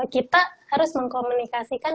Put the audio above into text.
kita harus mengkomunikasikan